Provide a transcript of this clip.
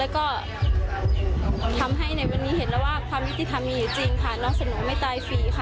และก็ทำให้ในวันนี้เห็นแล้วว่าความวิธีธรรมมีจริงค่ะ